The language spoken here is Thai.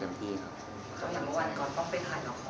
ทั้งผมเองทั้งน้องพยายามดูแลพอมันแทนเต็มที่ครับ